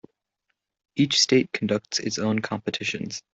Each State conducts its own competitions.